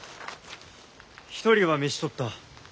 一人は召し捕った。